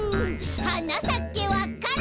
「はなさけわか蘭」